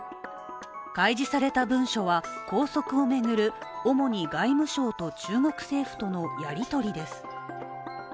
開示された文書は拘束を巡る主に外務省と中国政府とのやり取りです。